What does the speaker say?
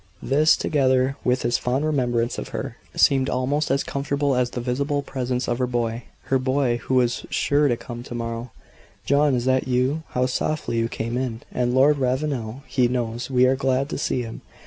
This, together with his fond remembrance of her, seemed almost as comfortable as the visible presence of her boy. Her boy, who was sure to come to morrow. "John, is that you? How softly you came in. And Lord Ravenel! He knows we are glad to see him.